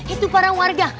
itu para warga